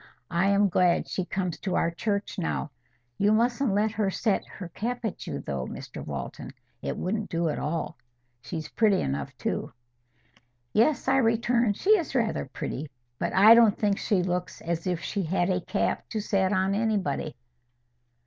I am glad she comes to our church now. You mustn't let her set her cap at you, though, Mr Walton. It wouldn't do at all. She's pretty enough, too!" "Yes," I returned, "she is rather pretty. But I don't think she looks as if she had a cap to set at anybody."